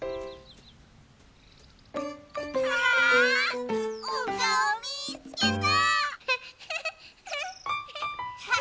わおかおみつけた！